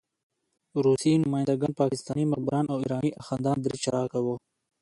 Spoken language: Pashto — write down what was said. روسي نماینده ګان، پاکستاني مخبران او ایراني اخندان درې چارکه وو.